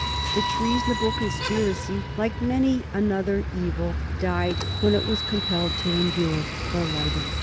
The treasonable conspiracy, like many another evil, died when it was compelled to endure the light of day.